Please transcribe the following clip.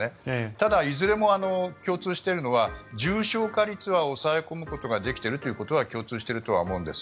ただ、いずれも共通しているのは重症化率は抑え込むことができているということは共通しているとは思うんです。